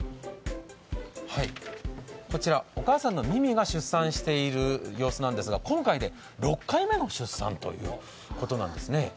こちらお母さんのミミが出産している様子なんですが、今回で６回目の出産ということなんですね。